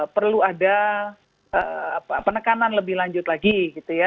perlu ada penekanan lebih lanjut lagi gitu ya